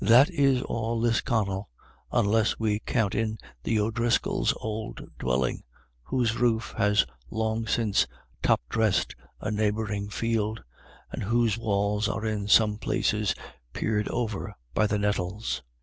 That is all Lisconnel, unless we count in the O'Driscolls' old dwelling, whose roof has long since top dressed a neighbouring field, and whose walls are in some places peered over by the nettles.